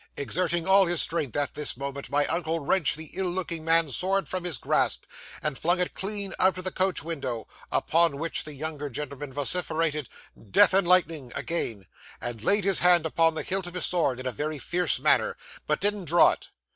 Exerting all his strength, at this moment, my uncle wrenched the ill looking man's sword from his grasp, and flung it clean out of the coach window, upon which the younger gentleman vociferated, "Death and lightning!" again, and laid his hand upon the hilt of his sword, in a very fierce manner, but didn't draw it.